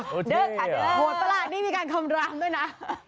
โหดประหลาดนี่มีการคำรามด้วยนะ